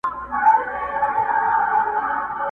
چي یې هیري دښمنۍ سي د کلونو د عمرونو؛